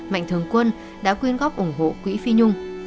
mạnh thường quân đã quyên góp ủng hộ quỹ phi nhung